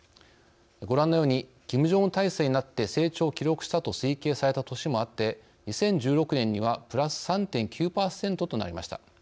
ご覧のようにキム・ジョンウン体制になって成長を記録したと推計された年もあって２０１６年にはプラス３．９％となりました。